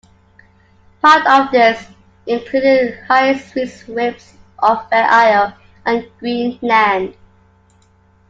Part of this included high-speed sweeps off Fair Isle and Greenland.